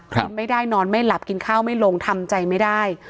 กินไม่ได้นอนไม่หลับกินข้าวไม่ลงทำใจไม่ได้